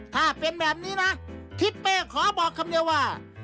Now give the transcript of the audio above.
ถ้าเป็นแบบนี้นะทิศเป้ขอบอกคำเดียวว่า